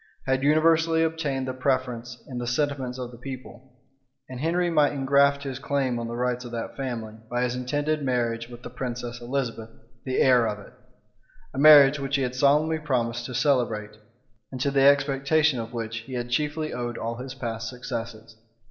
had universally obtained the preference in the sentiments of the people; and Henry might ingraft his claim on the rights of that family, by his intended marriage with the princess Elizabeth, the heir of it; a marriage which he had solemnly promised to celebrate, and to the expectation of which he had chiefly owed all his past successes.